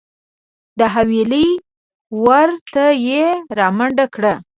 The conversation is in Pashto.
د حویلۍ وره ته یې رامنډه کړه .